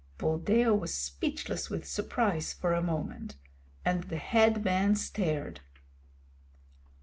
Buldeo was speechless with surprise for a moment, and the head man stared.